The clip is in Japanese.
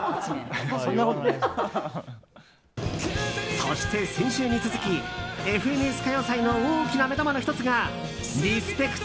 そして先週に続き「ＦＮＳ歌謡祭」の大きな目玉の１つがリスペクト！！